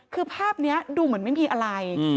คือภาพนี้ดูเหมือนไม่มีอะไร